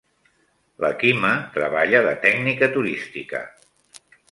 La Quima treballa de tècnica turística.